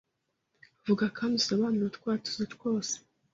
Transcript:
Vuga kandi usobanure utwatuzo twose